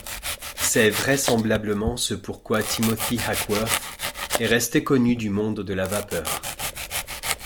C'est vraisemblablement ce pourquoi Timothy Hackworth est resté connu du monde de la vapeur.